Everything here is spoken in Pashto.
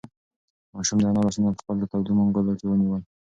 ماشوم د انا لاسونه په خپلو تودو منگولو کې ونیول.